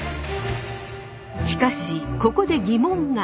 しかしここで疑問が。